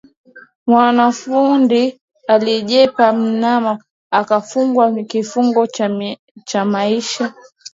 Mwanafundi alijepa nnama akafungwa kifungo cha maisha.